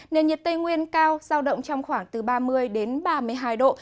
nền nhiệt tây nguyên cao giao động trong khoảng từ ba mươi đến ba mươi hai độ